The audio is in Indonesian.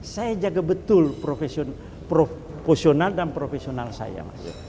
saya jaga betul profesional dan profesional saya